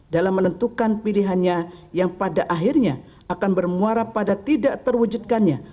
dalam menentukan pilihannya yang pada akhirnya akan bermuara pada tidak terwujudkannya